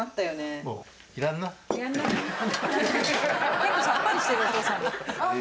結構さっぱりしてるお父さんも。